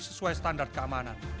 sesuai standar keamanan